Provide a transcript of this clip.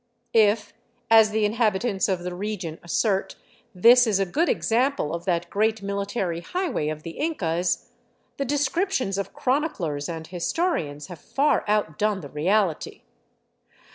If, as the inhabitants of the region assert, this is a good example of that great military highway of the Incas, the descriptions of chroniclers and historians have far outdone 281 VAGABONDING DOWN THE ANDES the reality.